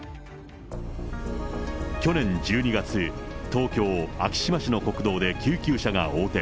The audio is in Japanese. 去年１２月、東京・昭島市の国道で救急車が横転。